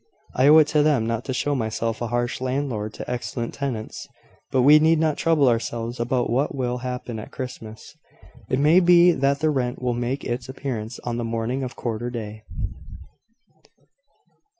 "I owe it to them not to show myself a harsh landlord to excellent tenants. But we need not trouble ourselves about what will happen at Christmas. It may be that the rent will make its appearance on the morning of quarter day."